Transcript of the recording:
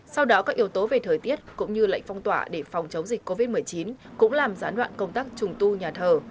sau đó các yếu tố về thời tiết cũng như lệnh phong tỏa để phòng chống dịch covid một mươi chín cũng làm gián đoạn công tác trùng tu nhà thờ